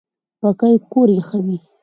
پکۍ کور یخوي